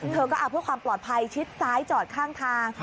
เธอก็เอาเพื่อความปลอดภัยชิดซ้ายจอดข้างทาง